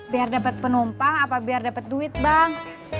biar dapet penumpang apa biar dapet duit bang